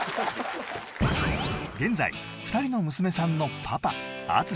現在２人の娘さんのパパ淳